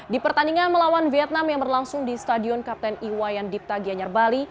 di pertandingan melawan vietnam yang berlangsung di stadion kapten iwayan dipta gianyar bali